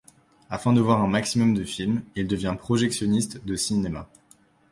Afin de voir un maximum de films, il devient projectionniste de cinéma.